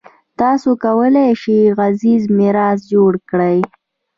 تاسو کولای شئ غږیز میراث جوړ کړئ.